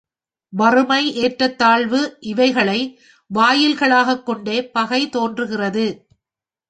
வறுமை ஏற்றத்தாழ்வு இவைகளை வாயில்களாகக் கொண்டே பகை தோன்றுகிறது.